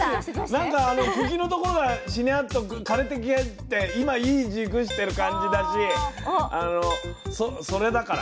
なんか茎のところがしなっと枯れてきて今いい熟してる感じだしあのそれだから。